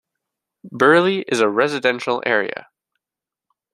Burley is a residential area.